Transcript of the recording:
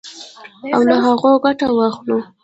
او له هغو ګټه واخلو.